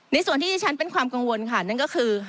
ส่วนที่ที่ฉันเป็นความกังวลค่ะนั่นก็คือ